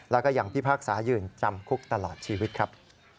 แล้วก็ยังพิพากษายืนจำคุกตลอดชีวิตครับ